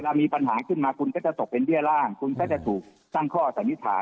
มีปัญหาขึ้นมาคุณก็จะตกเป็นเบี้ยร่างคุณก็จะถูกตั้งข้อสันนิษฐาน